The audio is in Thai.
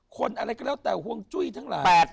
คนอะไรก็แล้วแต่ห่วงจุ้ยทั้งหลาย